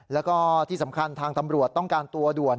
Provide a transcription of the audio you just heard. แล้วก็ที่สำคัญทางตำรวจต้องการตัวด่วน